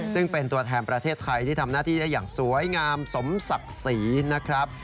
ซึ่งเป็นตัวแทนประเทศไทยที่ทำหน้าที่ได้อย่างสวยงามสมศักดิ์ศรีนะครับ